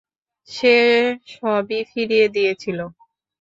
সে সবই ফিরিয়ে দিয়েছিল।